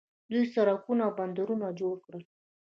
دوی سړکونه او بندرونه جوړ کړل.